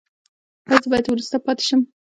ایا زه باید وروسته پاتې شم؟